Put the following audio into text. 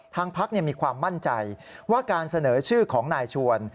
ทางพักมีความมั่นใจว่าการเสนอชื่อของนายชวน